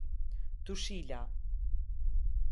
Tushila